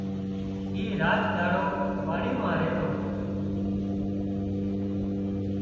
اي راچ ۮاڙو واڙي مان ريتو